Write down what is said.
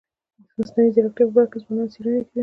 د مصنوعي ځیرکتیا په برخه کي ځوانان څېړني کوي.